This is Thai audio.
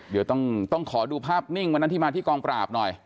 เดี๋ยวต้องขอดูภาพนิ่งวันนั้นที่มาที่กองปราบหน่อย